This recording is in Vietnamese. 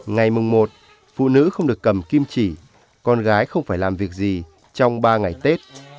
ngày mùng một phụ nữ không được cầm kim chỉ con gái không phải làm việc gì trong ba ngày tết